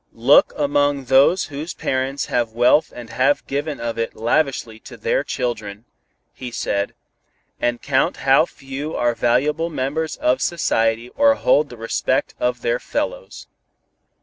"Look among those whose parents have wealth and have given of it lavishly to their children," he said, "and count how few are valuable members of society or hold the respect of their fellows.